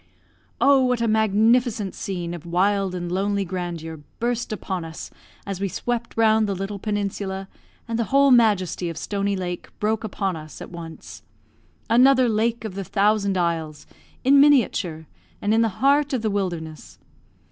Oh, what a magnificent scene of wild and lonely grandeur burst upon us as we swept round the little peninsula, and the whole majesty of Stony Lake broke upon us at once; another Lake of the Thousand Isles, in miniature, and in the heart of the wilderness!